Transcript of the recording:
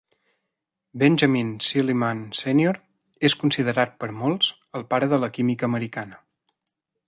Benjamin Silliman Senior és considerat per molts el pare de la química americana.